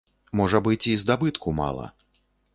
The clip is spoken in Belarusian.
Можа быць і здабытку мала.